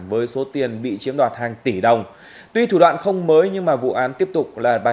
với số tiền bị chiếm đoạt hàng tỷ đồng tuy thủ đoạn không mới nhưng vụ án tiếp tục là bài